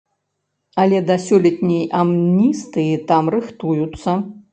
Але да сёлетняй амністыі там рыхтуюцца.